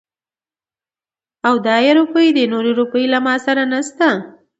او دا يې روپۍ دي. نورې روپۍ له ما سره نشته.